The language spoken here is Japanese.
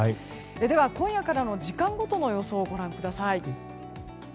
では今夜からの時間ごとの予報をご覧ください。